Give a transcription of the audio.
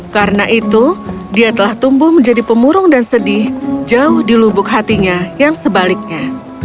karena itu dia telah tumbuh menjadi pemurung dan sedih jauh dilubuk hatinya yang sebaliknya